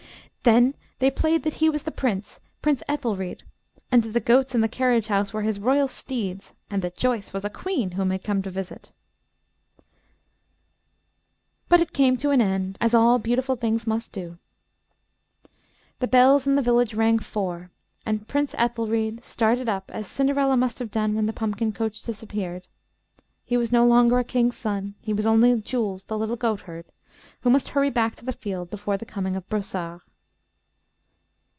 Then they played that he was the prince, Prince Ethelried, and that the goats in the carriage house were his royal steeds, and that Joyce was a queen whom he had come to visit. [Illustration: A LESSON IN PATRIOTISM.] But it came to an end, as all beautiful things must do. The bells in the village rang four, and Prince Ethelried started up as Cinderella must have done when the pumpkin coach disappeared. He was no longer a king's son; he was only Jules, the little goatherd, who must hurry back to the field before the coming of Brossard.